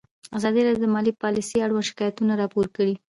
ازادي راډیو د مالي پالیسي اړوند شکایتونه راپور کړي.